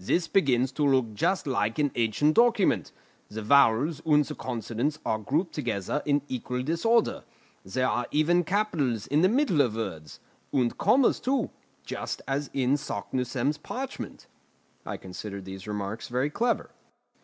"This begins to look just like an ancient document: the vowels and the consonants are grouped together in equal disorder; there are even capitals in the middle of words, and commas too, just as in Saknussemm's parchment." I considered these remarks very clever.